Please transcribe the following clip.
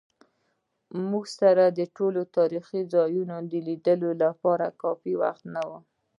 موږ سره د ټولو تاریخي ځایونو د لیدو لپاره کافي وخت نه و.